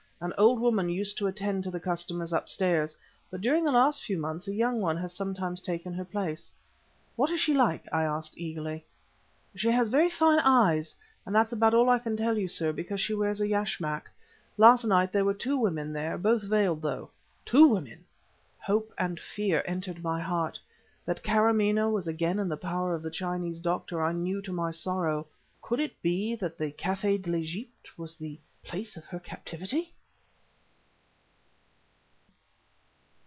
An old woman used to attend to the customers upstairs, but during the last few months a young one has sometimes taken her place." "What is she like?" I asked eagerly. "She has very fine eyes, and that's about all I can tell you, sir, because she wears a yashmak. Last night there were two women there, both veiled, though." "Two women!" Hope and fear entered my heart. That Kâramaneh was again in the power of the Chinese Doctor I knew to my sorrow. Could it be that the Café de l'Egypte was the place of her captivity?